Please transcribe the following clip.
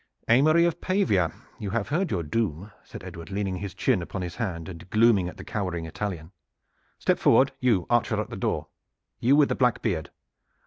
"Aymery of Pavia, you have heard your doom," said Edward, leaning his chin upon his hand and glooming at the cowering Italian. "Step forward, you archer at the door, you with the black beard.